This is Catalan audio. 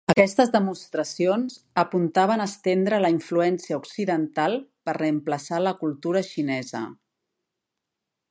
Aquestes demostracions apuntaven a estendre la influència occidental per reemplaçar la cultura xinesa.